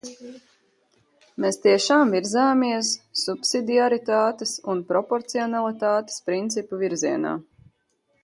Mēs tiešām virzāmies subsidiaritātes un proporcionalitātes principu virzienā.